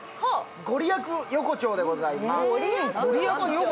ご利益横丁でございます。